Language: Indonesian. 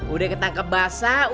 udah ketangkep basah udah bersalah